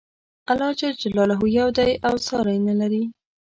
الله ج یو دی او ساری نه لري.